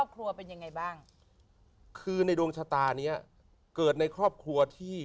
ก็คือในดวงชะตานี้เกิดในครอบครัวที่